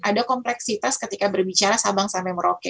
ada kompleksitas ketika berbicara sabang sampai merauke